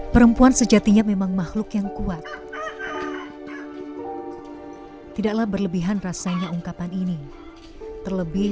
perempuan sejatinya memang makhluk yang kuat tidaklah berlebihan rasanya ungkapan ini terlebih